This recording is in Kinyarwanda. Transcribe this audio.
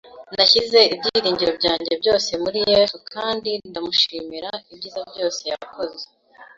Nashyize ibyiringiro byanjye byose muri Yesu kandi ndamushimira ibyiza byose yakoze